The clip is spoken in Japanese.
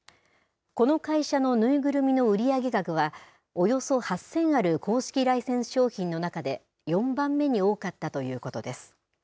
この会社の縫いぐるみの売り上げ額は、およそ８０００ある公式ライセンス商品の中で４番目に多かったということです。